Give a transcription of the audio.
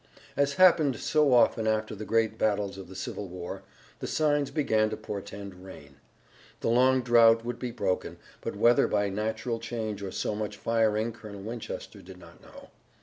As happened so often after the great battles of the Civil War, the signs began to portend rain. The long drouth would be broken, but whether by natural change or so much firing Colonel Winchester did not know.